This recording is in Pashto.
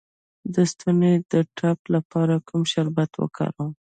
د ستوني د ټپ لپاره کوم شربت وکاروم؟